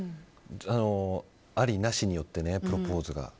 ありなしによってプロポーズが。